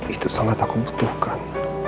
itu sangat aku butuhkan